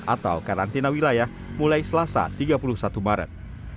atau karantina wilayah mulai selasa tiga puluh satu maret